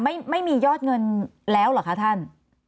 ไม่มียอดเงินแล้วเหรอคะท่าน